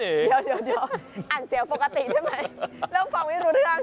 เดี๋ยวอ่านเสียงปกติได้ไหมเริ่มฟังไม่รู้เรื่อง